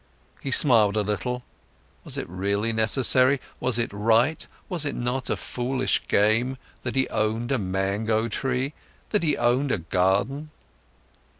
He smiled a little—was it really necessary, was it right, was it not as foolish game, that he owned a mango tree, that he owned a garden?